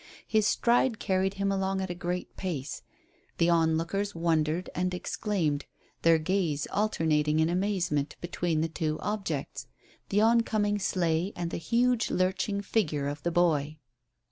His stride carried him along at a great pace. The onlookers wondered and exclaimed, their gaze alternating in amazement between the two objects, the oncoming sleigh and the huge lurching figure of the boy.